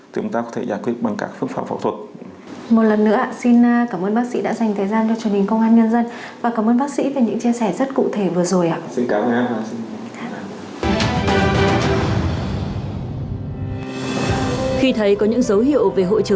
thì chúng ta có thể giải quyết bằng các phương pháp phẫu thuật